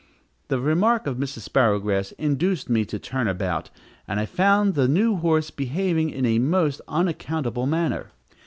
The remark of Mrs. Sparrowgrass induced me to turn about, and I found the new horse behaving in a most unaccountable manner.